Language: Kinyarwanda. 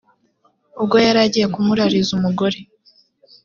ubwo yari agiye kumurariza umugore